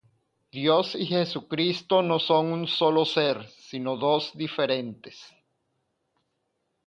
Dios y Jesucristo no son un solo ser, sino dos diferentes.